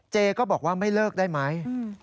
เจก็บอกว่าไม่เลิกได้ไหม